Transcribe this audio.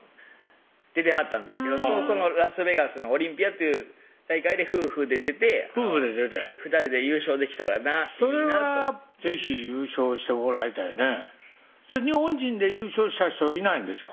そのラスベガスのオリンピアという大会で夫婦で出て夫婦で出て２人で優勝できたらいいなとそれは是非優勝してもらいたいね日本人で優勝した人いないんですか？